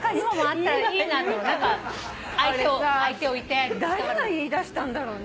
あれさ誰が言いだしたんだろうね